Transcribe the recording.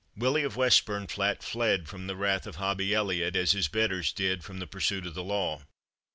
Willie of Westburnflat fled from the wrath of Hobbie Elliot, as his betters did from the pursuit of the law.